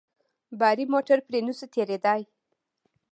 باري موټر پرې نه سو تېرېداى.